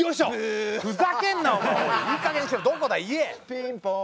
ピンポン。